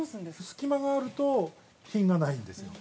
◆隙間があると品がないんですよ。